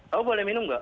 kamu boleh minum gak